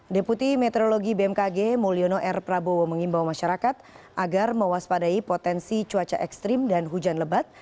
deputi meteorologi bmkg mulyono r prabowo mengimbau masyarakat agar mewaspadai potensi cuaca ekstrim dan hujan lebat